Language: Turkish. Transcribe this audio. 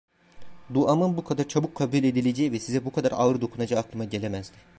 Duamın bu kadar çabuk kabul edileceği ve size bu kadar ağır dokunacağı aklıma gelemezdi…